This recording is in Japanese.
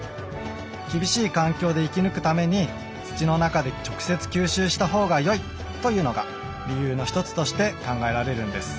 厳しい環境で生き抜くために土の中で直接吸収したほうがよいというのが理由の一つとして考えられるんです。